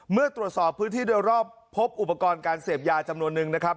เมื่อตรวจสอบพื้นที่โดยรอบพบอุปกรณ์การเสพยาจำนวนนึงนะครับ